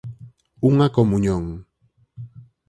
Unha comuñón.